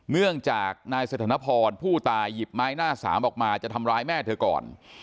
เนื่องจากนายสถานพรผู้ตายหยิบไม้หน้าสามออกมาจะทำร้ายแม่เธอก่อน